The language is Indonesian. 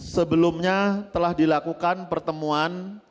sebelumnya telah dilakukan pertemuan